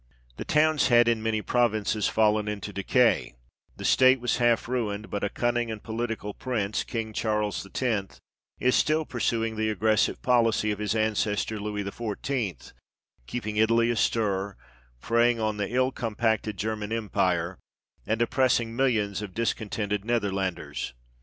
The towns had, in many provinces, fallen into decay, the state was half ruined, but " a cunning and political prince," King Charles X. is still pursuing the aggressive policy of his ancestor Louis XIV., keeping Italy astir, preying on the ill compacted German Empire, and oppressing millions of discontented Netherlanders.